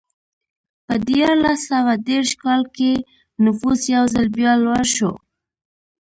په دیارلس سوه دېرش کال کې نفوس یو ځل بیا لوړ شو.